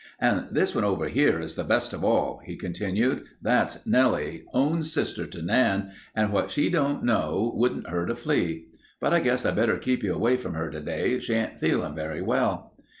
"And this one over here is the best of all," he continued. "That's Nellie, own sister to Nan, and what she don't know wouldn't hurt a flea. But I guess I'd better keep you away from her to day. She ain't feelin' very well."